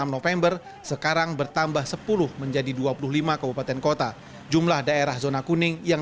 enam november sekarang bertambah sepuluh menjadi dua puluh lima kabupaten kota jumlah daerah zona kuning yang